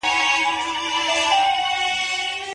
هغوی د لمر ختلو په اړه تعبیرونه وکړل.